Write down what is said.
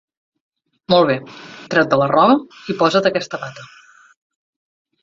Molt bé. Treu-te la roba i posa't aquesta bata.